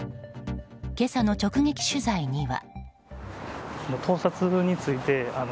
今朝の直撃取材には。